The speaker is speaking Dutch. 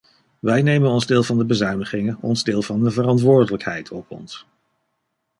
Wij nemen ons deel van de bezuinigingen, ons deel van de verantwoordelijkheid op ons.